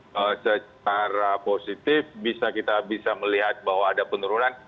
karena secara positif bisa kita bisa melihat bahwa ada penurunan